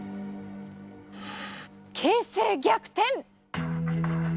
形勢逆転！